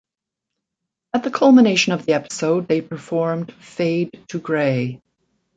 At the culmination of the episode, they performed "Fade to Grey".